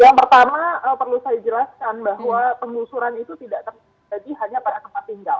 yang pertama perlu saya jelaskan bahwa penggusuran itu tidak terjadi hanya pada tempat tinggal